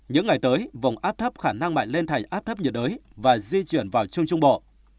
những ngày tới vùng áp thấp khả năng mạnh lên thành áp thấp nhiệt đới và di chuyển vào trung trung bộ